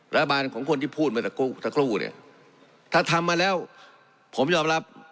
รัฐบาลของคนที่พูดมาสักครู่ถ้าทำมาแล้วผมยอมรับ